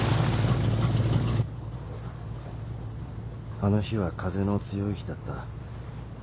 あの日は風の強い日だった。